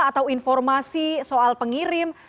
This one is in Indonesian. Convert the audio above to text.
atau informasi soal pengirim